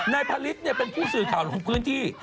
นายพลิตเนี่ยเป็นผู้สื่อข่าวลงพื้นที่